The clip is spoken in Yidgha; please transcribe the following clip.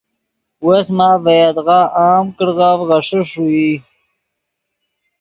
وس ماف ڤے یدغا عام کڑغف غیݰے ݰوئی